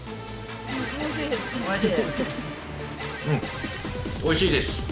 うんおいしいです。